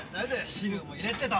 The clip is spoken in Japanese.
汁も入れてと。